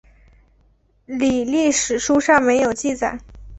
李历史书上没有记载。